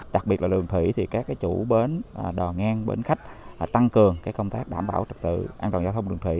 đặc biệt là đường thủy thì các chủ bến đò ngang bến khách tăng cường công tác đảm bảo trật tự an toàn giao thông đường thủy